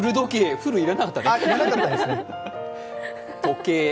「古」要らなかったね。